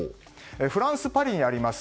フランス・パリにあります